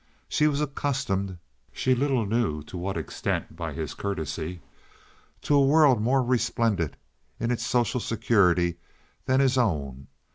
She was accustomed (she little knew to what extent by his courtesy) to a world more resplendent in its social security than his own.